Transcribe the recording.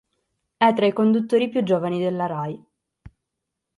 È tra i conduttori più giovani della Rai.